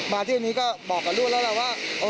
ที่วันนี้ก็บอกกับลูกแล้วล่ะว่า